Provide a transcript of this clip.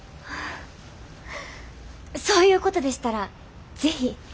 そういうことでしたら是非。